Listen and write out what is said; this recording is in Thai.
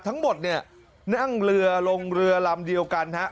ทั้งหมดเนี่ยนั่งเรือลงเรือลำเดียวกันฮะ